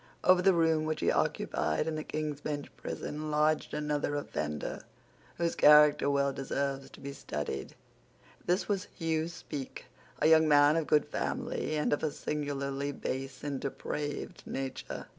Over the room which he occupied in the King's Bench prison lodged another offender whose character well deserves to be studied. This was Hugh Speke, a young man of good family, but of a singularly base and depraved nature.